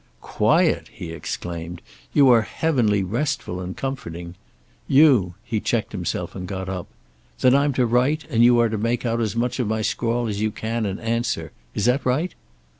"Quiet!" he exclaimed. "You are heavenly restful and comforting. You " he checked himself and got up. "Then I'm to write, and you are to make out as much of my scrawl as you can and answer. Is that right?"